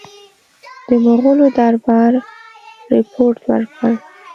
د مغولو دربار رپوټ ورکړ.